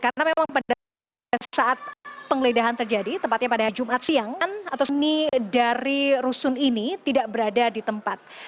karena memang pada saat pengledahan terjadi tempatnya pada jumat siang atau seni dari rusun ini tidak berada di tempat